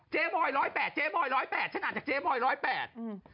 เจมอยด์๑๐๘เจมอยด์๑๐๘ฉันอ่านจากเจมอยด์๑๐๘